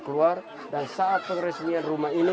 keluar dan saat pengeresmian rumah ini